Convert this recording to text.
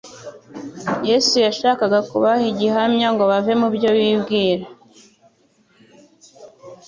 Yesu yashakaga kubaha igihamya ngo bave mu bvo bibwira.